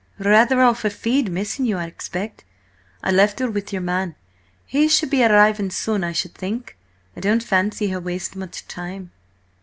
"Rather off her feed; missing you, I expect. I left her with your man. He should be arriving soon, I should think. I don't fancy he'll waste much time."